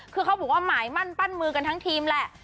คือเขาบอกว่าหมายมั่นปั้นมือกันทั้งทีมแหละ